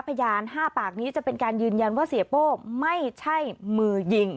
พยาน๕ปากนี้จะเป็นการยืนยันว่าเสียโป้ไม่ใช่มือยิง